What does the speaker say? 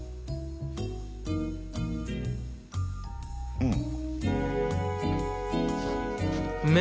うん。